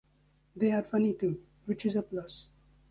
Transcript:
They're funny too, which is a plus.